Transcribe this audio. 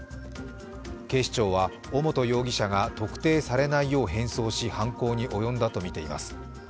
警視庁は、尾本容疑者が特定されないよう変装し犯行に及んだとみています。